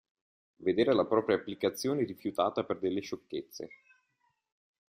Vedere la propria applicazione rifiutata per delle sciocchezze.